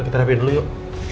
kita dapetin dulu yuk